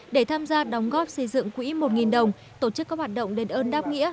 để tham gia đóng góp xây dựng quỹ một đồng tổ chức các hoạt động đền ơn đáp nghĩa